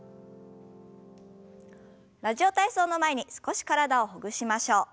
「ラジオ体操」の前に少し体をほぐしましょう。